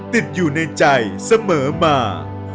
ติดอยู่ในใจเสมอมา